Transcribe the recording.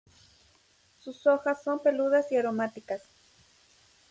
Sus hojas son peludas y aromáticas.